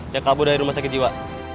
yang kabur dari rumah sakit jiwa